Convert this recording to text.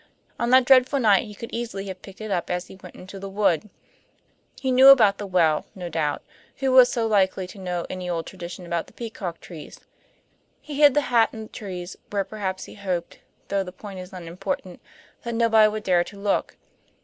On that dreadful night he could easily have picked it up as he went into the wood. He knew about the well, no doubt; who was so likely to know any old traditions about the peacock trees? He hid the hat in the trees, where perhaps he hoped (though the point is unimportant) that nobody would dare to look.